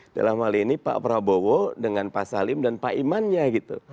dalam hal ini pak prabowo dengan pak salim dan pak imannya gitu